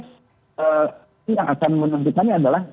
ini yang akan menentukannya adalah